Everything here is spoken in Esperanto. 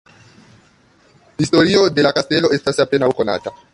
Historio de la kastelo estas apenaŭ konata.